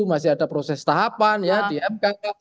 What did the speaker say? masih ada proses tahapan ya di mk